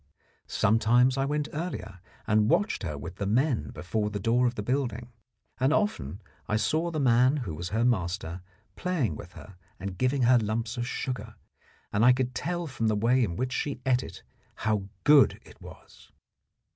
Sometimes I went earlier, and watched her with the men before the door of the building, and often I saw the man who was her master playing with her and giving her lumps of sugar, and I could tell from the way in which she ate it how good it was.